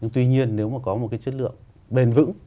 tuy nhiên nếu mà có một cái chất lượng bền vững